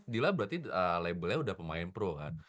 dila berarti labelnya udah pemain pro kan